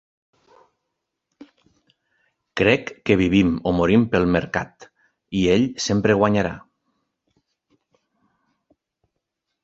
Crec que vivim o morim pel mercat, i ell sempre guanyarà.